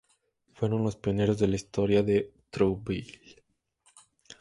Fueron los pioneros de la historia de Trouville.